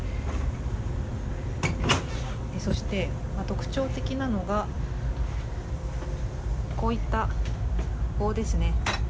そして、特徴的なのがこういった棒ですね。